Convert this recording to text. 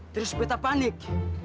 terus betta panik